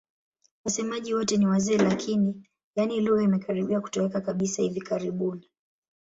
Wasemaji wote ni wazee lakini, yaani lugha imekaribia kutoweka kabisa hivi karibuni.